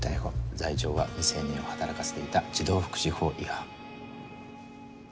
罪状は未成年を働かせていた児童福祉法違反。